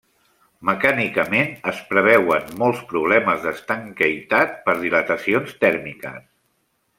Mecànicament, es preveuen molts problemes d'estanquitat per dilatacions tèrmiques.